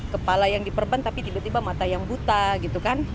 kepala yang diperban tapi tiba tiba mata yang buta gitu kan